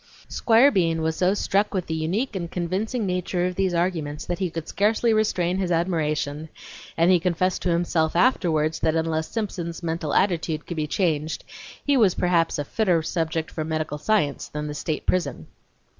Squire Bean was so struck with the unique and convincing nature of these arguments that he could scarcely restrain his admiration, and he confessed to himself afterward, that unless Simpson's mental attitude could be changed he was perhaps a fitter subject for medical science than the state prison.